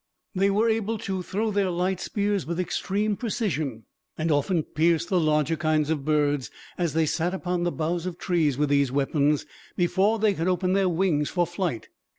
They were able to throw their light spears with extreme precision, and often pierced the larger kinds of birds, as they sat upon the boughs of trees, with these weapons, before they could open their wings for flight.